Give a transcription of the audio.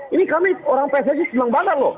ini kami orang pssi senang banget loh